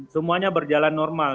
semuanya berjalan normal